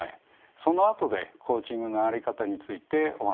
そのあとでコーチングの在り方についてお話しします。